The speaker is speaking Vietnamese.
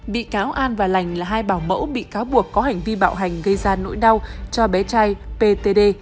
bị cáo an và lành là hai bảo mẫu bị cáo buộc có hành vi bạo hành gây ra nỗi đau cho bé trai ptd